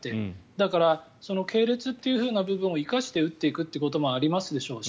だから系列という部分を生かして打っていくということもありますでしょうし。